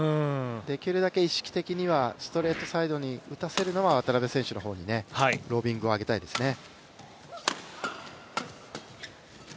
できるだけ意識的にはストレートサイド打たせるのは、渡辺選手の方にロビングを上げたいですね。